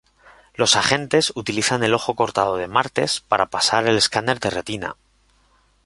Los agentes utilizan el ojo cortado de Martes para pasar el escáner de retina.